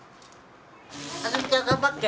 一美ちゃん頑張って。